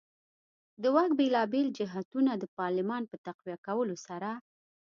د واک بېلابېل جهتونه د پارلمان په تقویه کولو سره.